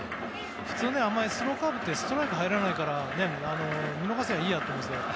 普通、スローカーブってストライクに入らないから見逃せばいいやと思うんですけど。